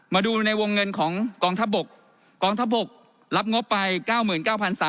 มาดูในวงเงินของกองทัพบกกองทัพบกรับงบไป๙๙๓๐๐